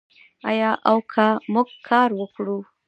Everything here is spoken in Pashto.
آیا او که موږ کار وکړو؟